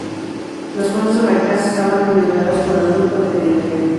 Las fuerzas francas estaban lideradas por Arnulfo de Carintia.